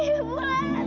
ibu anak aku